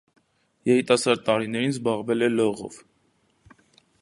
Երիտասարդ տարիներին զբաղվել է լողով։